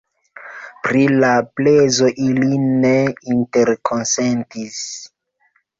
Pri la prezo ili ne interkonsentis.